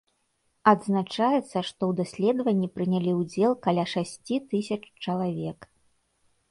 Адзначаецца, што ў даследаванні прынялі ўдзел каля шасці тысяч чалавек.